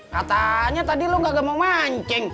katanya tadi lu gak mau mancing